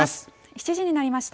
７時になりました。